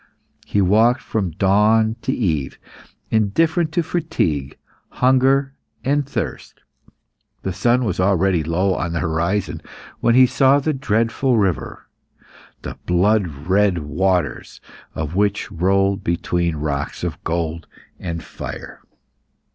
He walked from dawn to eve, indifferent to fatigue, hunger, and thirst; the sun was already low on the horizon when he saw the dreadful river, the blood red waters of which rolled between the rocks of gold and fire.